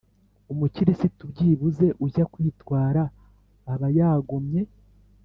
umukirisitu byibuze ujya kwitwara aba yagomye